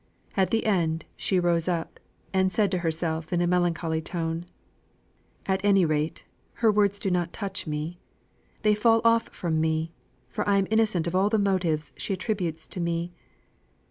At the end, she rose up, and said to herself, in a melancholy tone: "At any rate, her words do not touch me; they fall off from me; for I am innocent of all the motives she attributes to me.